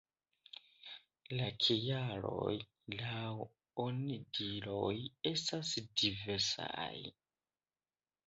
La kialoj laŭ onidiroj estas diversaj.